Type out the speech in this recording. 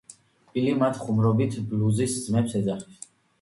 ბილი მათ ხუმრობით ბლუზის ძმებს ეძახის.